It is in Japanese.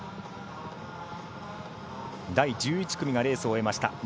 第１１組がレースを終えました。